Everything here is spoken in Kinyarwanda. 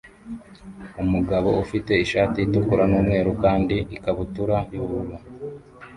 Umugabo ufite ishati itukura n'umweru kandi ikabutura y'ubururu